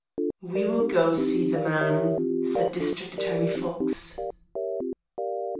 "We will go see the man," said District Attorney Fox.